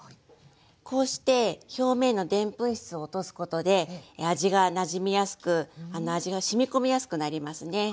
こうして表面のでんぷん質を落とすことで味がなじみやすく味がしみ込みやすくなりますね。